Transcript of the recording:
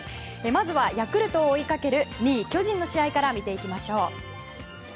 まずはヤクルトを追いかける２位、巨人の試合から見ていきましょう。